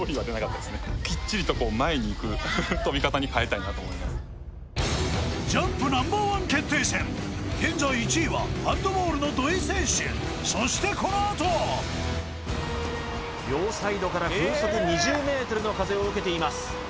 きっちりとこうジャンプＮｏ．１決定戦現在１位はハンドボールの土井選手そしてこのあと両サイドから風速２０メートルの風を受けています